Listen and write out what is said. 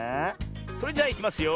それじゃあいきますよ。